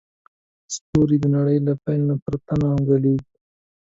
ستوري د نړۍ له پیل نه تر ننه ځلېږي.